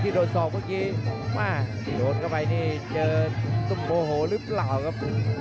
โดนศอกเมื่อกี้โดนเข้าไปนี่เจอตุ้มโมโหหรือเปล่าครับ